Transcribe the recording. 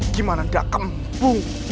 gimana enggak gemblung